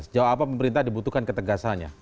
sejauh apa pemerintah dibutuhkan ketegasannya